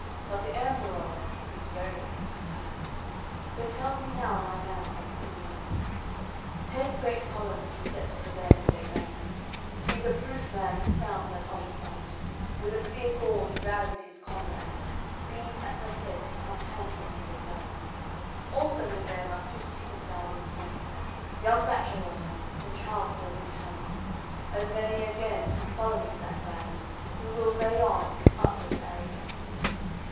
But the Emperour is verily come back, So tells me now my man, that Sulian Ten great columns he's set them in their ranks; He's a proof man who sounds that olifant, With a clear call he rallies his comrades; These at the head come cantering in advance, Also with them are fifteen thousand Franks, Young bachelors, whom Charles calls Infants; As many again come following that band, Who will lay on with utmost arrogance."